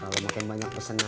kalau makin banyak pesenannya